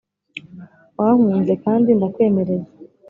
wankunze kandi ndakwemereye